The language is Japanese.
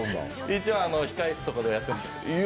一応、控え室とかでやってます。